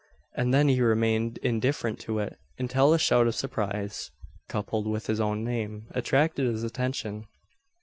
And then he remained indifferent to it, until a shout of surprise, coupled with his own name, attracted his attention.